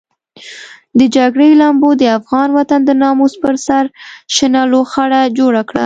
د جګړې لمبو د افغان وطن د ناموس پر سر شنه لوخړه جوړه کړه.